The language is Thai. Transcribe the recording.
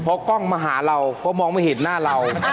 พอกล้องมาหาเราก็มองไม่เห็นหน้าเรา